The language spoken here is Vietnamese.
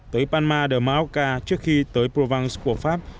tới palma de mallorca trước khi tới provence của pháp